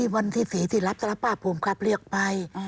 วันที่๔ที่รับศาลป้าภูมิครับเรียกไป